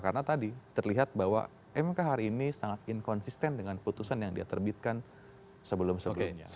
karena tadi terlihat bahwa mk hari ini sangat inkonsisten dengan putusan yang dia terbitkan sebelum sebelumnya